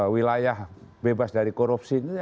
wilayah bebas dari korupsi